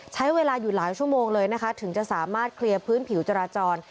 ใช้เวลาอยู่หลายชั่วโมงเลยนะคะถึงจะสามารถเคลียร์พื้นผิวจราจร